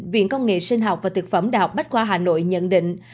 viện công nghệ sinh học và thực phẩm đh bách khoa hà nội nhận định